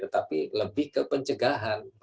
tapi lebih ke pencegahan